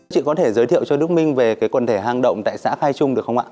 chị có thể giới thiệu cho đức minh về cái quần thể hang động tại xã khai trung được không ạ